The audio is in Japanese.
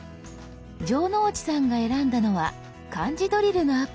城之内さんが選んだのは漢字ドリルのアプリ。